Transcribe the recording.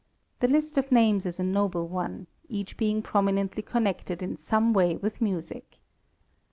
The list of names is a noble one, each being prominently connected in some way with music.